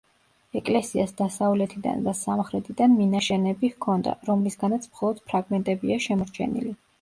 ეკლესიას დასავლეთიდან და სამხრეთიდან მინაშენები ჰქონდა, რომლისგანაც მხოლოდ ფრაგმენტებია შემორჩენილი.